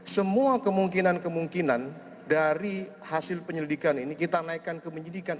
semua kemungkinan kemungkinan dari hasil penyelidikan ini kita naikkan ke penyidikan